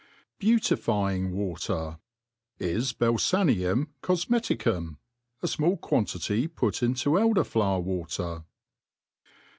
Beautifying Water ^ IS balfaneum cofmeticumi a fmall quantity put into eldeN ilower water.